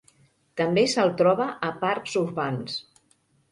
També se'l troba a parcs urbans.